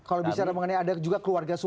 kalau bisa ramangannya ada juga keluarga jokowi